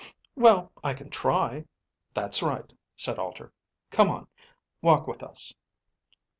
"Well, I can try." "That's right," said Alter. "Come on. Walk with us."